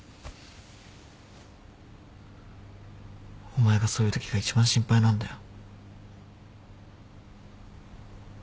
お前がそう言うときが一番心配なんだよ。